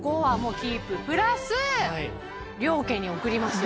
プラス両家に送りますよ。